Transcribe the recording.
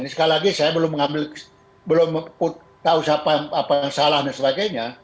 sekali lagi saya belum tahu apa yang salah dan sebagainya